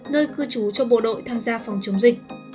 nơi cư trú cho bộ đội tham gia phòng chống dịch